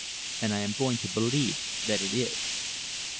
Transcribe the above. And I am going to believe that it is!"